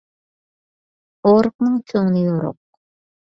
ئورۇقنىڭ كۆڭلى يورۇق.